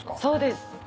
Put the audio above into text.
そうです。